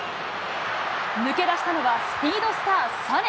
抜け出したのは、スピードスター、サネ。